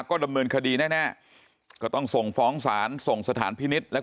ก็ดำเนินคดีแน่ก็ต้องส่งฟ้องศาลส่งสถานพินิษฐ์และ